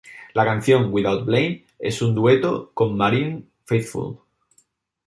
La canción "Without Blame" es un dueto con Marianne Faithfull.